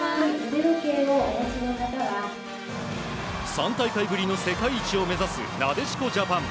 ３大会ぶりの世界一を目指すなでしこジャパン。